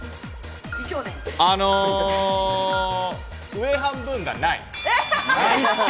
上半分がない。